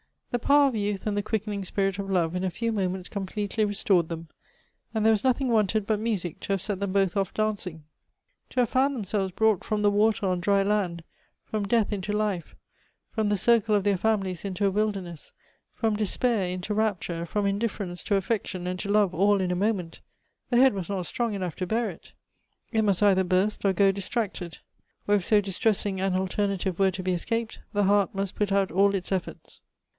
"The power of youth and the quickening spirit of love in a few moments completely restored them ; nnd there was nothing wanted but music to have set them both off dancing. " To have found themselves brought from the water on dry land, from death into life, from the circle of their families into a wilderness, from despair into rapture, from indifference to affection and to love, all in a moment : the head was not strong enough to bear it; it most eitliei' burst, or go distracted; or if so distressing an alternative were to be escaped, the heart must put out all its efforts.